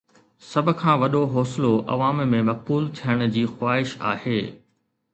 سڀ کان وڏو حوصلو عوام ۾ مقبول ٿيڻ جي خواهش آهي.